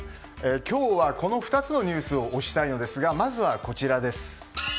今日はこの２つのニュースを推したいのですがまずは、こちらです。